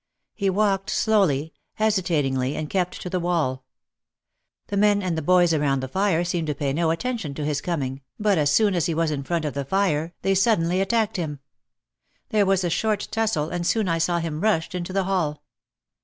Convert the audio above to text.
He walked slowly, hesitatingly and kept to the wall. The men and boys around the fire seemed to pay no attention to his coming, but as soon as he was in front of the fire they 102 OUT OF THE SHADOW suddenly attacked him. There was a short tussle and soon I saw him rushed into the hall.